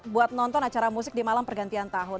buat nonton acara musik di malam pergantian tahun